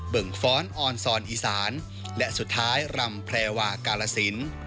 ่งฟ้อนออนซอนอีสานและสุดท้ายรำแพรวากาลสิน